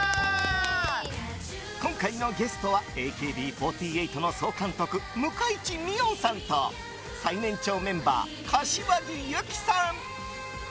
今回のゲストはＡＫＢ４８の総監督向井地美音さんと最年長メンバー、柏木由紀さん。